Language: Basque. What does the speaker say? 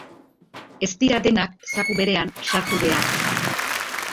Ez dira denak zaku berean sartu behar.